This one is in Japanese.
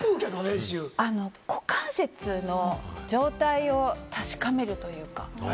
股関節の状態を確かめるというか。